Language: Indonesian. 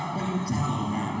femilis yang buatan ini